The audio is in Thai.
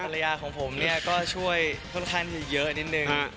ภรรยาของผมเนี่ยก็ช่วยท่วงท่านอย่างเยอะนิดนึง